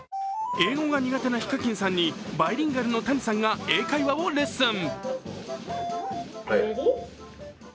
英語が苦手なＨＩＫＡＫＩＮさんにバイリンガルの谷さんが英会話をレッスン。